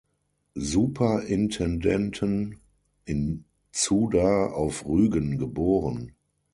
Superintendenten in Zudar auf Rügen geboren.